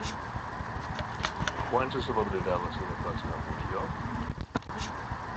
Quan se celebrarà la seva pròxima funció?